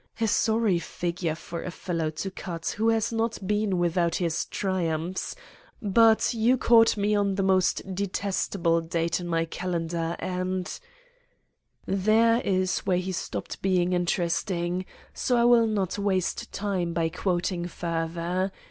A sorry figure for a fellow to cut who has not been without his triumphs; but you caught me on the most detestable date in my calendar, and——' "There is where he stopped being interesting, so I will not waste time by quoting further.